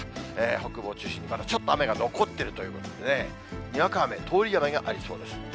北部を中心にまたちょっと雨が残ってるということでね、にわか雨、通り雨がありそうです。